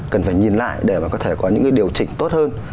cần phải nhìn lại để có thể có những điều chỉnh tốt hơn